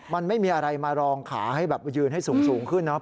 มันไม่มีอะไรมารองขาให้แบบยืนให้สูงขึ้นเนาะ